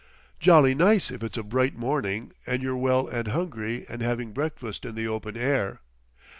Jolly nice if it's a bright morning and you're well and hungry and having breakfast in the open air.